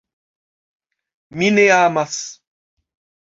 "Mi ne amas."